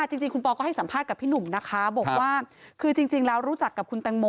จริงคุณบอกว่าก็ให้สัมภาษณ์กับพี่หนุ่มนะคะ